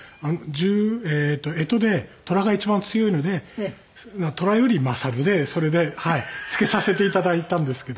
えっと干支で虎が一番強いので「虎より勝る」でそれで付けさせていただいたんですけど。